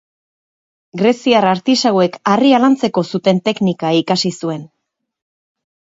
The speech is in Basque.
Greziar artisauek harria lantzeko zuten teknika ikasi zuen.